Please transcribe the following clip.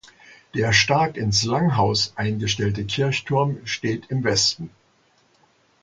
Der stark ins Langhaus eingestellte Kirchturm steht im Westen.